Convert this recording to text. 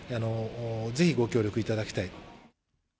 ぜひご協力いただきたい。